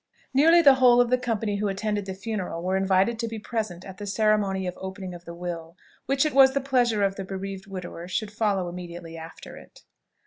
Nearly the whole of the company who attended the funeral were invited to be present at the ceremony of opening of the will, which it was the pleasure of the bereaved widower should follow immediately after it.